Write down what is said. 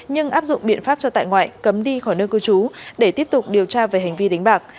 nhưng áp dụng biện pháp cho tại ngoại cấm đi khỏi nơi cư trú để tiếp tục điều tra về hành vi đánh bạc